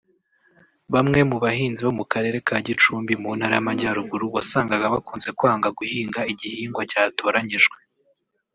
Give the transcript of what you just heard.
Bamwe mu bahinzi bo mu karere ka Gicumbi mu Ntara y’Amajyaruguru wasangaga bakunze kwanga guhinga igihingwa cyatoranyijwe